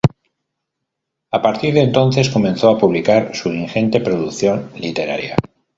A partir de entonces comenzó a publicar su ingente producción literaria.